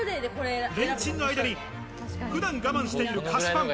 レンチンの間に普段我慢している菓子パン、